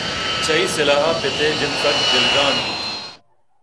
چہ اےسلاہ ءَ پت ءِ جند سک دلگرٛان بوت